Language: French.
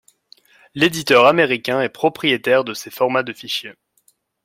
l'éditeur américain est propriétaire de ses formats de fichier.